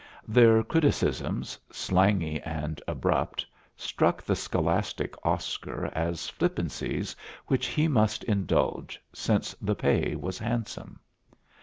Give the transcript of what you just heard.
Their criticisms, slangy and abrupt, struck the scholastic Oscar as flippancies which he must indulge, since the pay was handsome.